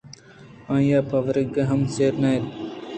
آیاں پہ ورگءَ ہم سیر نہ